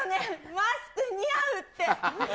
マスク似合うって。